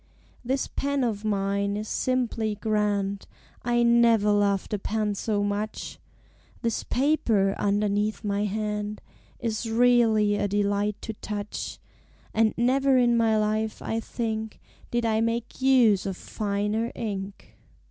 _" This Pen of mine is simply grand, I never loved a pen so much; This Paper (underneath my hand) Is really a delight to touch; And never in my life, I think, Did I make use of finer ink.